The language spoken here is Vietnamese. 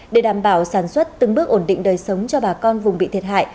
để đảm bảo sản xuất từng bước ổn định đời sống cho bà con vùng bị thiệt hại